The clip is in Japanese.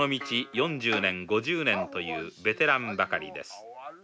４０年５０年というベテランばかりです。